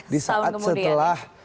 di saat setelah